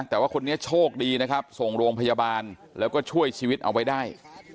แต่ว่าคนนี้โชคดีนะครับส่งโรงพยาบาลแล้วก็ช่วยชีวิตเอาไว้ได้